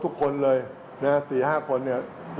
เพื่อเล่นตลกหาเงินครับ